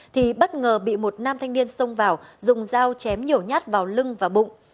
thì bất ngờ bị một nam thanh niên xông vào dùng dao chém nhiều nhát vào lưng và bụng